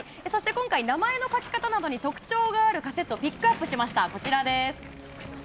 今回、名前の書き方などに特徴があるカセットをピックアップしました。